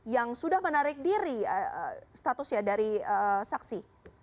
yang sudah menarik diri statusnya dari saksi